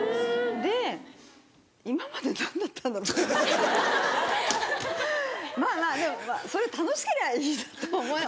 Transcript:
で今まで何だったんだろうと。まぁまぁでもそれで楽しけりゃいいなと。